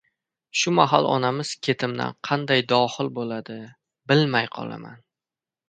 Shu mahal onamiz ketimdan qanday doxil bo‘ladi — bilmay qolaman.